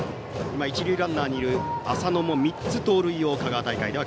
今、一塁ランナーにいる浅野も３つ、盗塁を香川大会では